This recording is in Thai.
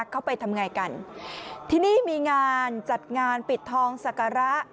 เขาไปทำไงกันที่นี่มีงานจัดงานปิดทองศักระ